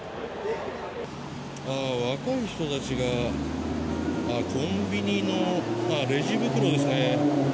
若い人たちがコンビニのレジ袋ですね。